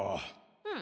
うん。